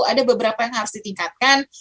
ada beberapa yang harus ditingkatkan